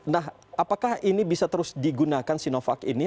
nah apakah ini bisa terus digunakan sinovac ini